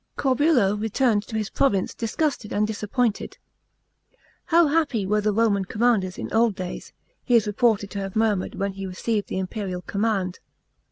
Corbulo returned to his province disgusted and disappointed. " How happy were the Roman commanders in old days," he is reported to have murmured when he received the imperial com mand.